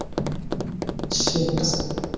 সে একটা সাইকো।